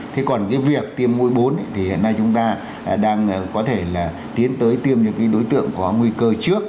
thế còn cái việc tiêm mũi bốn thì hiện nay chúng ta đang có thể là tiến tới tiêm những cái đối tượng có nguy cơ trước